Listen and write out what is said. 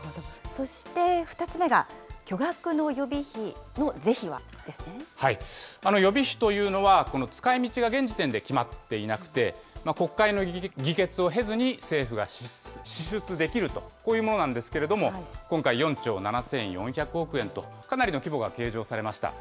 そして２つ目が、予備費というのはこの使いみちが現時点で決まっていなくて、国会の議決を経ずに政府が支出できると、こういうものなんですけれども、今回、４兆７４００億円と、かなりの規模が計上されました。